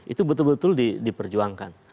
itu betul betul diperjuangkan